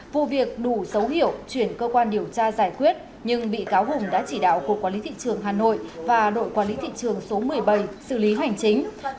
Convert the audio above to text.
vụ việc đủ xấu hiểu chuyển cơ quan điều tra giải quyết nhưng bị cáo hùng đã chỉ đạo cục quản lý thị trường hà nội và đội quản lý thị trường số một mươi bảy xử lý hành chính